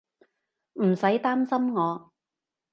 唔使擔心我